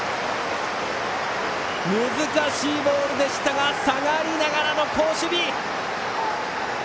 難しいボールでしたが下がりながらの好守備。